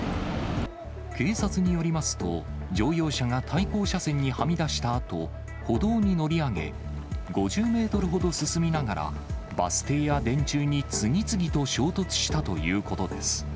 警察によりますと、乗用車が対向車線にはみ出したあと、歩道に乗り上げ、５０メートルほど進みながら、バス停や電柱に次々と衝突したということです。